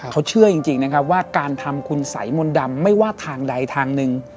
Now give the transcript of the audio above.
เขาเชื่อจริงนะครับว่าการทำคุณสัยมนต์ดำไม่ว่าทางใดทางหนึ่ง